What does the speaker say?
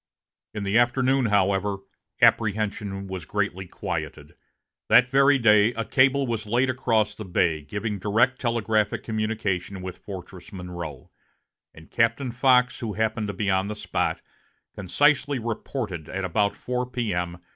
In the afternoon, however, apprehension was greatly quieted. That very day a cable was laid across the bay, giving direct telegraphic communication with Fortress Monroe, and Captain Fox, who happened to be on the spot, concisely reported at about 4 P.M.